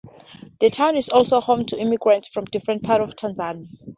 The town is also home to immigrants from different parts of Tanzania.